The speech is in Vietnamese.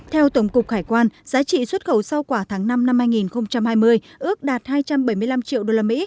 theo tổng cục hải quan giá trị xuất khẩu rau quả tháng năm năm hai nghìn hai mươi ước đạt hai trăm bảy mươi năm triệu usd